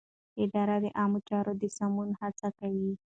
اداره د عامه چارو د سمون هڅه کوي.